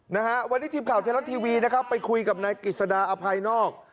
นะฮะวันนี้ทีมข่าวไทยรัฐทีวีนะครับไปคุยกับนายกิจสดาอภัยนอก